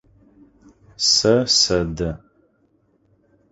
Сэ сэдэ.